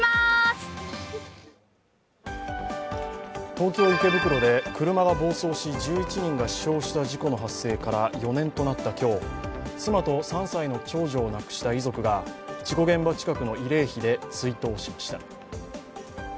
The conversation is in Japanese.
東京・池袋で車が暴走し１１人が死傷した事故から４年となった今日、妻と３歳の長女を亡くした遺族が事故現場近くの慰霊碑で追悼しました。